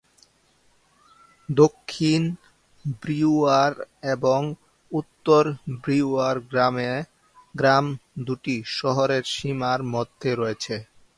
দক্ষিণ ব্রিউয়ার এবং উত্তর ব্রিউয়ার গ্রাম দুটি শহরের সীমার মধ্যে রয়েছে।